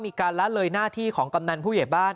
มีการละเลยหน้าที่ของกำนันผู้ใหญ่บ้าน